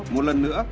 một lần nữa